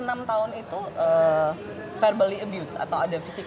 tapi enam tahun itu terbiasa terbiasa atau ada perbuatan fisik